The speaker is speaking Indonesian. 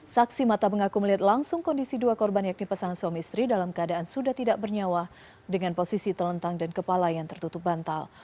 saksi mata mengaku melihat langsung kondisi dua korban yakni pasangan suami istri dalam keadaan sudah tidak bernyawa dengan posisi terlentang dan kepala yang tertutup bantal